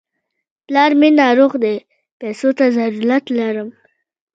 پلار مې ناروغ دی، پيسو ته ضرورت لرم.